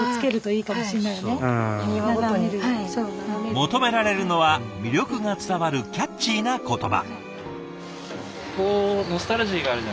求められるのは魅力が伝わるキャッチーな言葉。